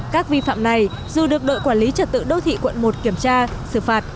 các vi phạm này dù được đội quản lý trật tự đô thị quận một kiểm tra xử phạt